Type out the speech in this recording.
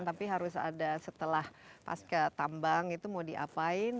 tapi harus ada setelah pas ke tambang itu mau diapain